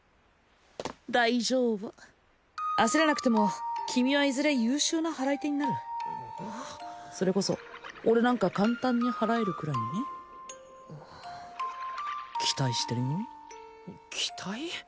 大丈夫焦らなくても君はいずれ優秀な祓い手になるそれこそ俺なんかカンタンに祓えるくらいにね期待してるよ期待？